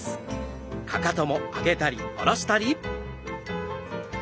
かかとも上げたり下ろしたり。